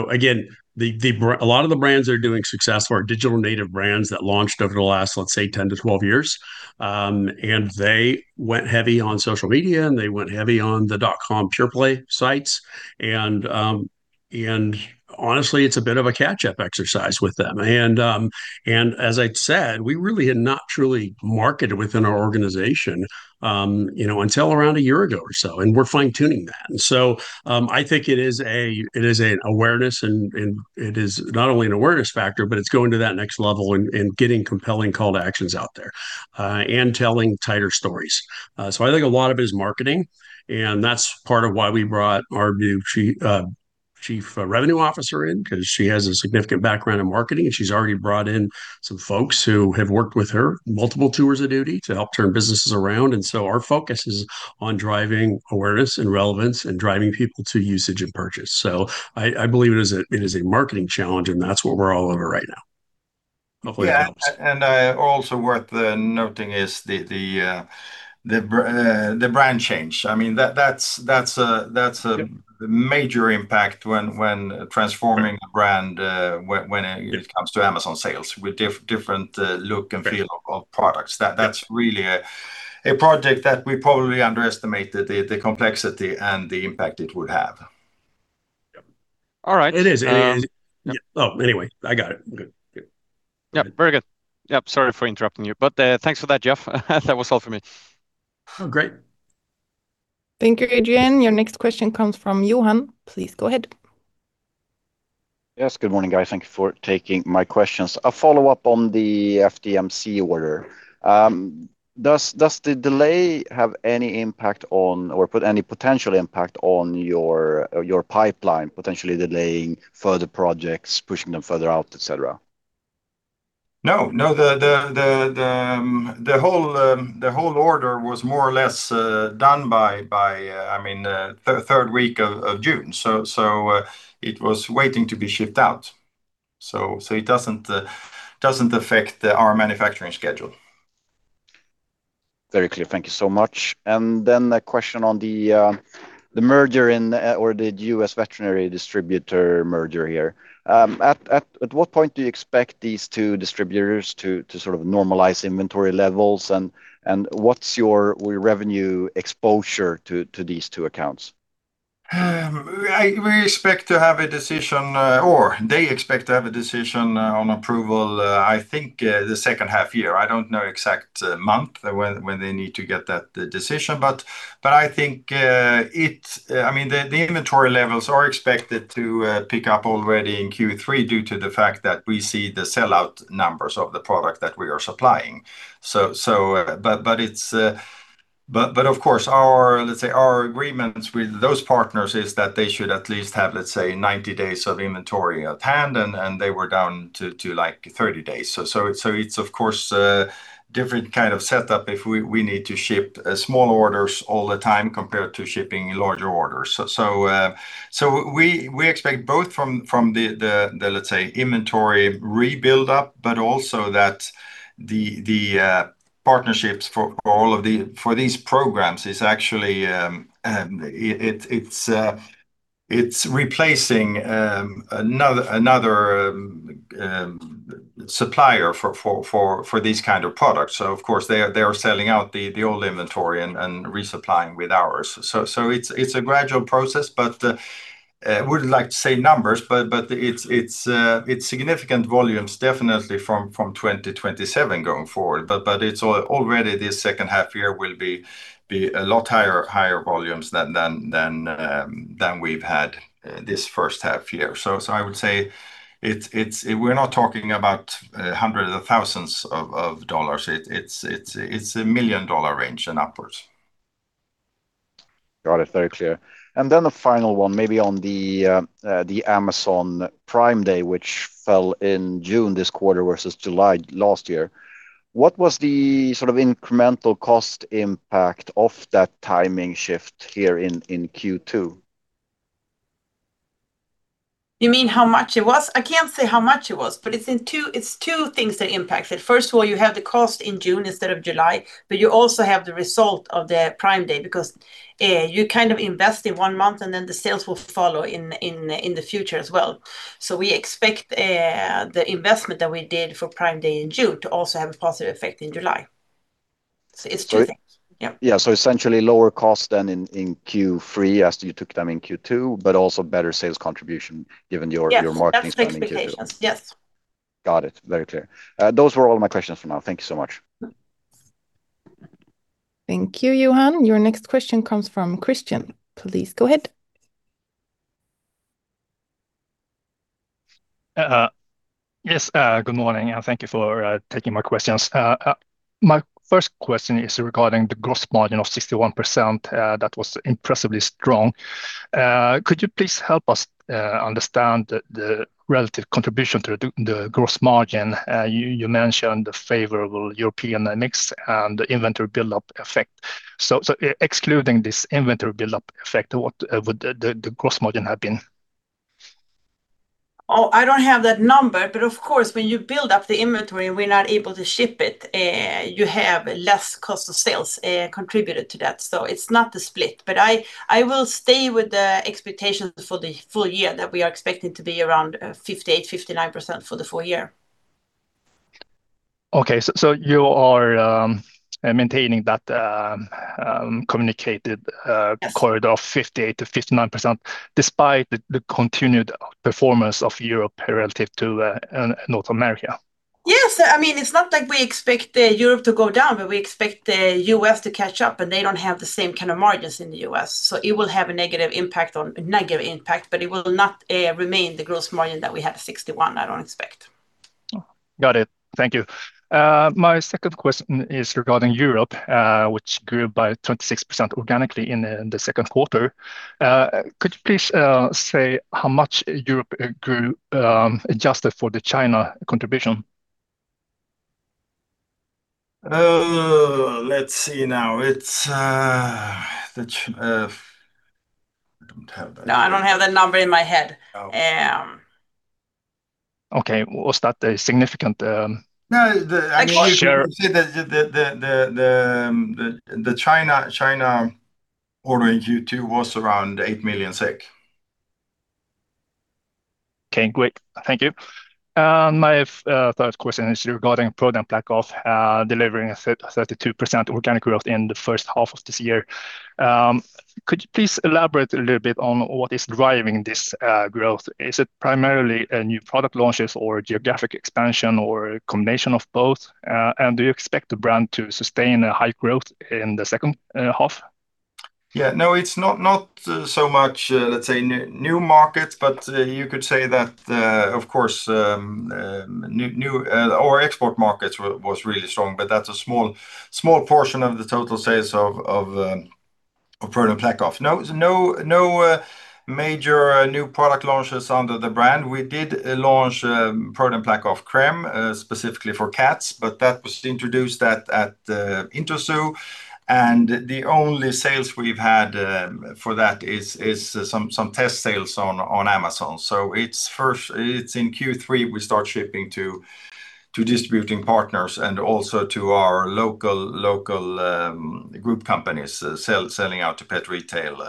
Again, a lot of the brands that are doing successful are digital native brands that launched over the last, let's say, 10 to 12 years. They went heavy on social media, and they went heavy on the .com pure play sites. Honestly, it's a bit of a catch-up exercise with them. As I said, we really had not truly marketed within our organization until around a year ago or so, and we're fine-tuning that. I think it is an awareness, and it is not only an awareness factor, but it's going to that next level and getting compelling call to actions out there, and telling tighter stories. I think a lot of it is marketing, and that's part of why we brought our new Chief Revenue Officer in because she has a significant background in marketing, and she's already brought in some folks who have worked with her multiple tours of duty to help turn businesses around. Our focus is on driving awareness and relevance and driving people to usage and purchase. I believe it is a marketing challenge, and that's what we're all over right now. Hopefully that helps. Yeah. Also worth noting is the brand change. That's a major impact when transforming the brand when it comes to Amazon sales with different look and feel of products. That's really a project that we probably underestimated the complexity and the impact it would have. Yep. All right. It is. Oh, anyway, I got it. I'm good. Yep, very good. Yep, sorry for interrupting you. Thanks for that, Geoff. That was all for me. Oh, great. Thank you, Adrian. Your next question comes from Johan. Please go ahead. Yes, good morning, guys. Thank you for taking my questions. A follow-up on the FDMC order. Does the delay have any impact on or put any potential impact on your pipeline, potentially delaying further projects, pushing them further out, et cetera? No, the whole order was more or less done by the third week of June. It was waiting to be shipped out. It doesn't affect our manufacturing schedule. Very clear. Thank you so much. A question on the merger in or the U.S. veterinary distributor merger here. At what point do you expect these two distributors to normalize inventory levels and what's your revenue exposure to these two accounts? We expect to have a decision, or they expect to have a decision, on approval, I think, the second half year. I don't know exact month when they need to get that decision. I think the inventory levels are expected to pick up already in Q3 due to the fact that we see the sell-out numbers of the product that we are supplying. Of course, let's say our agreements with those partners is that they should at least have, let's say, 90 days of inventory at hand, and they were down to 30 days. It's of course a different kind of setup if we need to ship small orders all the time compared to shipping larger orders. We expect both from the, let's say, inventory rebuild up, but also that the partnerships for these programs it's replacing another supplier for these kind of products. Of course, they are selling out the old inventory and resupplying with ours. It's a gradual process, would like to say numbers, but it's significant volumes definitely from 2027 going forward. It's already this second half year will be a lot higher volumes than we've had this first half year. I would say we're not talking about hundreds of thousands of SEK. It's a million-SEK range and upwards. Got it. Very clear. The final one, maybe on the Amazon Prime Day, which fell in June this quarter versus July last year. What was the incremental cost impact of that timing shift here in Q2? You mean how much it was? I can't say how much it was. It's two things that impacted. First of all, you have the cost in June instead of July. You also have the result of the Prime Day because you invest in one month, the sales will follow in the future as well. We expect the investment that we did for Prime Day in June to also have a positive effect in July. It's two things. Yep. Yeah. Essentially lower cost than in Q3 as you took them in Q2. Also better sales contribution given your marketing spending in Q2. Yes. Got it. Very clear. Those were all my questions for now. Thank you so much. Thank you, Johan. Your next question comes from Christian. Please go ahead. Yes, good morning. Thank you for taking my questions. My first question is regarding the gross margin of 61%. That was impressively strong. Could you please help us understand the relative contribution to the gross margin? You mentioned the favorable European mix and the inventory build-up effect. Excluding this inventory build-up effect, what would the gross margin have been? Oh, I don't have that number. Of course, when you build up the inventory and we're not able to ship it, you have less cost of sales contributed to that. It's not the split. I will stay with the expectations for the full year that we are expecting to be around 58%-59% for the full year. Okay. You are maintaining that communicated corridor of 58%-59%, despite the continued performance of Europe relative to North America? Yes. It's not like we expect Europe to go down. We expect the U.S. to catch up. They don't have the same kind of margins in the U.S. It will have a negative impact. It will not remain the gross margin that we had at 61, I don't expect. Got it. Thank you. My second question is regarding Europe, which grew by 26% organically in the second quarter. Could you please say how much Europe grew adjusted for the China contribution? Let's see now. I don't have that. No, I don't have that number in my head. Okay. Was that a significant share? You can say that the China order in Q2 was around SEK 8 million. Okay, great. Thank you. My third question is regarding ProDen PlaqueOff delivering a 32% organic growth in the first half of this year. Could you please elaborate a little bit on what is driving this growth? Is it primarily new product launches or geographic expansion, or a combination of both? Do you expect the brand to sustain a high growth in the second half? It's not so much, let's say, new markets, but you could say that, of course, our export markets was really strong, but that's a small portion of the total sales of ProDen PlaqueOff. No major new product launches under the brand. We did launch ProDen PlaqueOff Creme specifically for cats, but that was introduced at Interzoo, and the only sales we've had for that is some test sales on Amazon. It's in Q3 we start shipping to distributing partners and also to our local group companies selling out to pet retail.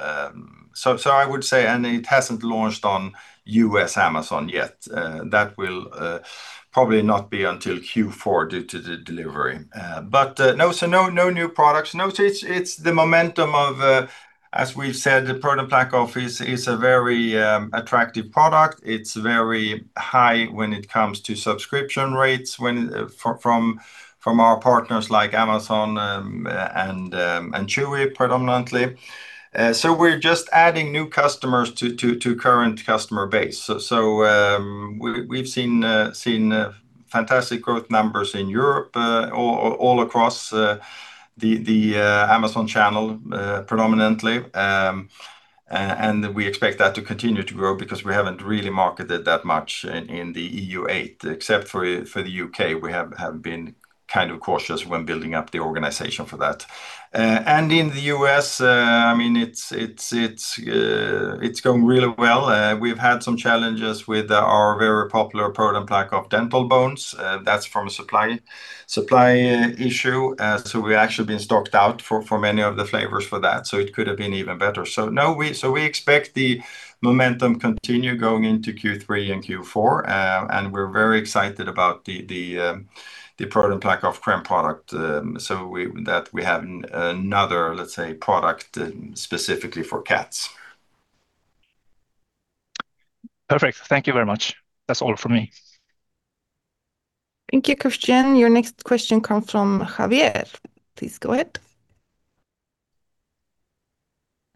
It hasn't launched on U.S. Amazon yet. That will probably not be until Q4 due to the delivery. But no new products. It's the momentum of, as we've said, the ProDen PlaqueOff is a very attractive product. It's very high when it comes to subscription rates from our partners like Amazon and Chewy predominantly. We're just adding new customers to current customer base. We've seen fantastic growth numbers in Europe, all across the Amazon channel predominantly. We expect that to continue to grow because we haven't really marketed that much in the EU, except for the U.K. We have been cautious when building up the organization for that. In the U.S., it's going really well. We've had some challenges with our very popular ProDen PlaqueOff dental bones. That's from a supply issue. We've actually been stocked out for many of the flavors for that, so it could have been even better. We expect the momentum continue going into Q3 and Q4. We're very excited about the ProDen PlaqueOff Creme product, that we have another, let's say, product specifically for cats. Perfect. Thank you very much. That's all from me. Thank you, Christian. Your next question comes from Javier. Please go ahead.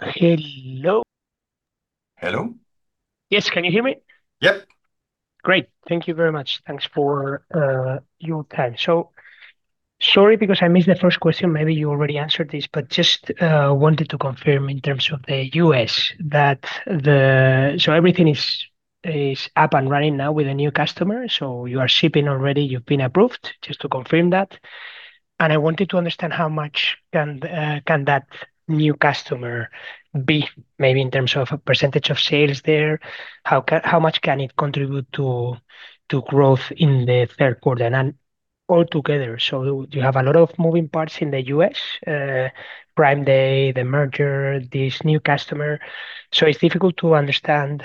Hello? Hello. Yes, can you hear me? Yep. Great. Thank you very much. Thanks for your time. Sorry because I missed the first question, maybe you already answered this, just wanted to confirm in terms of the U.S. that everything is up and running now with the new customer. You are shipping already, you've been approved, just to confirm that. I wanted to understand how much can that new customer be, maybe in terms of a percentage of sales there, how much can it contribute to growth in the third quarter? Altogether, so you have a lot of moving parts in the U.S., Prime Day, the merger, this new customer. It's difficult to understand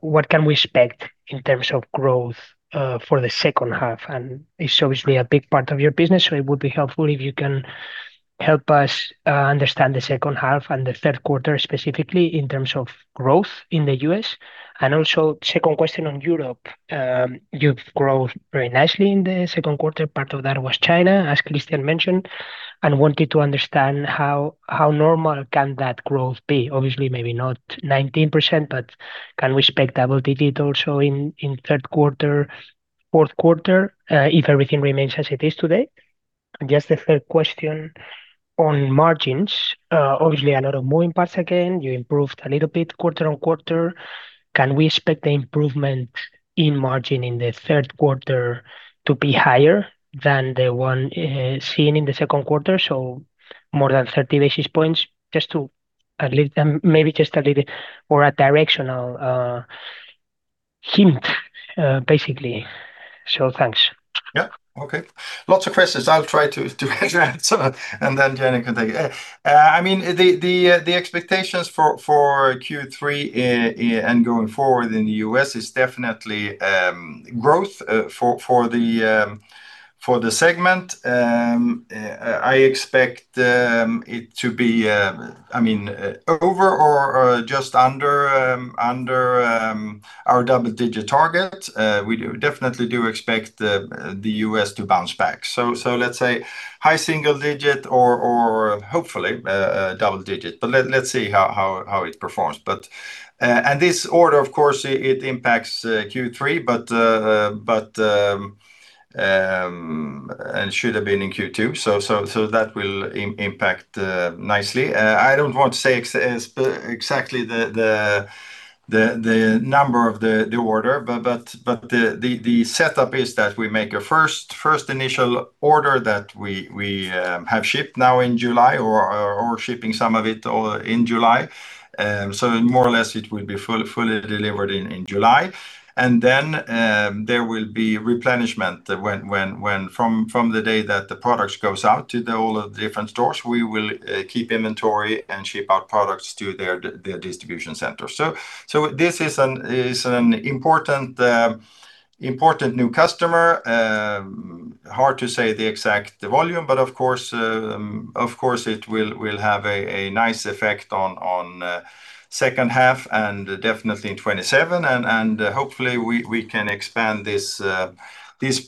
what can we expect in terms of growth for the second half. It's obviously a big part of your business, so it would be helpful if you can help us understand the second half and the third quarter specifically in terms of growth in the U.S. Also, second question on Europe. You've grown very nicely in the second quarter. Part of that was China, as Christian mentioned, wanted to understand how normal can that growth be. Obviously, maybe not 19%, but can we expect double-digit also in third quarter, fourth quarter, if everything remains as it is today? A third question on margins. Obviously a lot of moving parts again, you improved a little bit quarter-on-quarter. Can we expect the improvement in margin in the third quarter to be higher than the one seen in the second quarter? More than 30 basis points, maybe just a little bit more a directional hint, basically. Thanks. Okay. Lots of questions. I'll try to answer and then Jenny can take it. The expectations for Q3 and going forward in the U.S. is definitely growth for the segment. I expect it to be over or just under our double-digit target. We definitely do expect the U.S. to bounce back. Let's say high single digit or hopefully double-digit, but let see how it performs. This order, of course, it impacts Q3 and should have been in Q2, that will impact nicely. I don't want to say exactly the number of the order, but the setup is that we make a first initial order that we have shipped now in July or shipping some of it in July. More or less it will be fully delivered in July. There will be replenishment from the day that the products goes out to all of the different stores. We will keep inventory and ship out products to their distribution center. This is an important new customer. Hard to say the exact volume, but of course, it will have a nice effect on second half and definitely in 2027. Hopefully we can expand this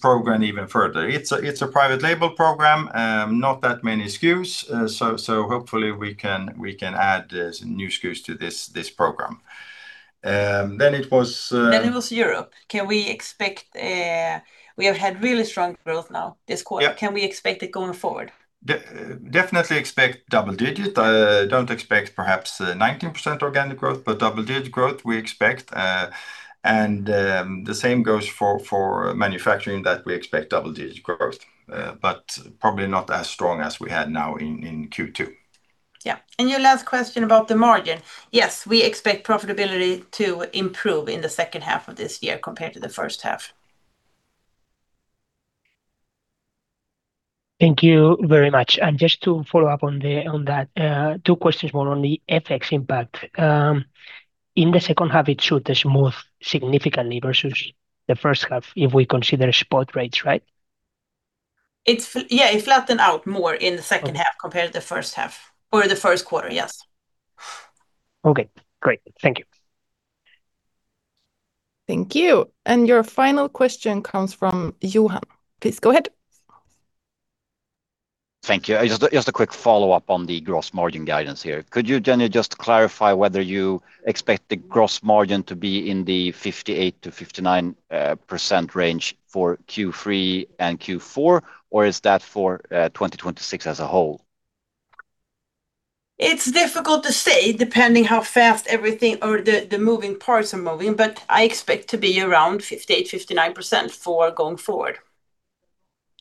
program even further. It's a private label program. Not that many SKUs, hopefully we can add some new SKUs to this program. It was Europe. We have had really strong growth now this quarter. Yeah. Can we expect it going forward? Definitely expect double-digit. Don't expect perhaps 19% organic growth, but double-digit growth we expect. The same goes for manufacturing, that we expect double-digit growth. Probably not as strong as we had now in Q2. Yeah. Your last question about the margin. Yes, we expect profitability to improve in the second half of this year compared to the first half. Thank you very much. Just to follow up on that, two questions, one on the FX impact. In the second half, it should smooth significantly versus the first half if we consider spot rates, right? Yeah, it flatten out more in the second half compared to the first half or the first quarter, yes. Okay, great. Thank you. Thank you. Your final question comes from Johan. Please go ahead. Thank you. Just a quick follow-up on the gross margin guidance here. Could you, Jenny, just clarify whether you expect the gross margin to be in the 58%-59% range for Q3 and Q4, or is that for 2026 as a whole? It's difficult to say, depending how fast everything or the moving parts are moving. I expect to be around 58%-59% for going forward.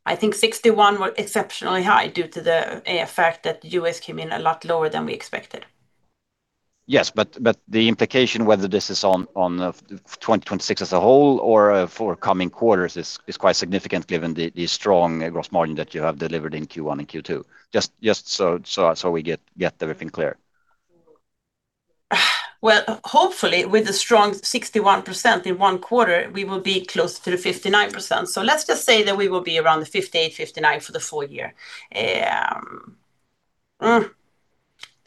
I think 61% was exceptionally high due to the effect that the U.S. came in a lot lower than we expected. The implication whether this is on 2026 as a whole or for coming quarters is quite significant given the strong gross margin that you have delivered in Q1 and Q2. Just so we get everything clear. Well, hopefully with a strong 61% in one quarter, we will be close to the 59%. Let's just say that we will be around the 58%-59% for the full year.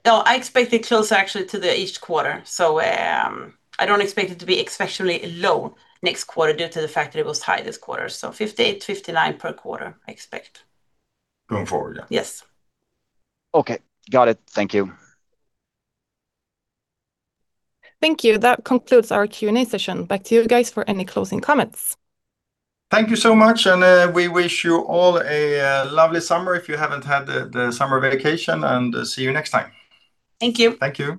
No, I expect it closer actually to each quarter. I don't expect it to be exceptionally low next quarter due to the fact that it was high this quarter. 58%-59% per quarter, I expect. Going forward, yeah. Yes. Okay, got it. Thank you. Thank you. That concludes our Q&A session. Back to you guys for any closing comments. Thank you so much, and we wish you all a lovely summer if you haven't had the summer vacation, and see you next time. Thank you. Thank you.